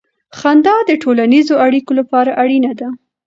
خندا د ټولنیزو اړیکو لپاره اړینه ده.